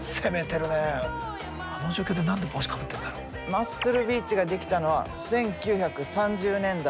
マッスルビーチができたのは１９３０年代。